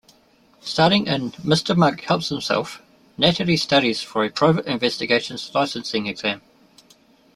Starting in "Mr. Monk Helps Himself", Natalie studies for a private investigations licensing exam.